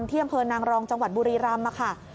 ที่อำเภอนางรองจังหวัดบุรีรำค่ะ